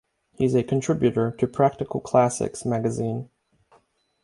He is a contributor to "Practical Classics" magazine.